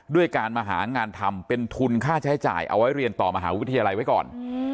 ด้วยการมาหางานทำเป็นทุนค่าใช้จ่ายเอาไว้เรียนต่อมหาวิทยาลัยไว้ก่อน